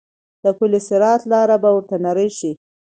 د پل صراط لاره به ورته نرۍ شي.